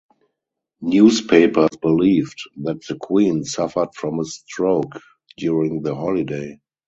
Newspapers believed that the queen suffered from a stroke during the holiday.